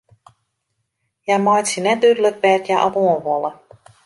Hja meitsje net dúdlik wêr't hja op oan wolle.